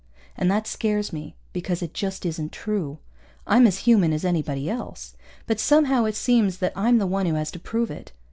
And that scares me because it just isn't true. I'm as human as anybody else. But somehow it seems that I'm the one who has to prove it.